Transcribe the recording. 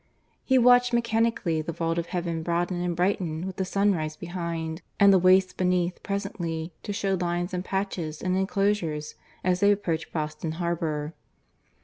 He watched mechanically the vault of heaven broaden and brighten with the sunrise behind, and the waste beneath presently to show lines and patches and enclosures as they approached Boston harbour.